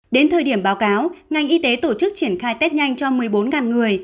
đến thời điểm báo cáo ngành y tế tổ chức triển khai tết nhanh cho một mươi bốn người